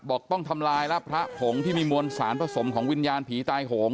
ต้องทำลายแล้วพระผงที่มีมวลสารผสมของวิญญาณผีตายโหง